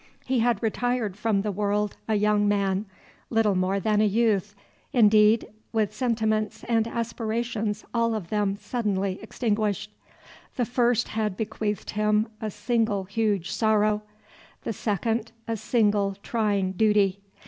He had retired from the world a young man, little more than a youth, indeed, with sentiments and aspirations all of them suddenly extinguished. The first had bequeathed him a single huge sorrow, the second a single trying duty.